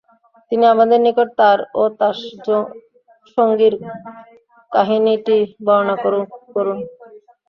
তিনি আমাদের নিকট তার ও তার সঙ্গীর কাহিনীটি বর্ণনা করুন।